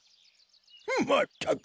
まったく！